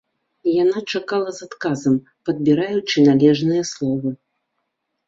Яна чакала з адказам, падбіраючы належныя словы.